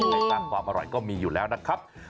ในสร้างความอร่อยก็มีอยู่แล้วนะครับ